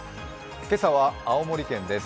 今朝は青森県です。